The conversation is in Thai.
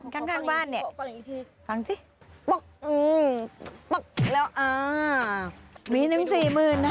ข้างข้างบ้านเนี่ยฟังสิแล้วอ่ามีน้ำสี่หมื่นน่ะ